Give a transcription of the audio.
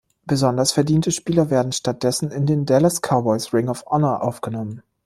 Besonders verdiente Spieler werden stattdessen in den Dallas Cowboys Ring of Honor aufgenommen.